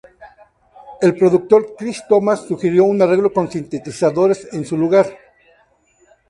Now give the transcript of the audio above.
El productor Chris Thomas sugirió un arreglo con sintetizadores en su lugar.